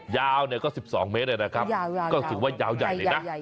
ยาวเนี่ย๑๒เมตรเลยนะครับก็ถือว่ายาวใหญ่